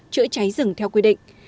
chữa cháy rừng theo quy định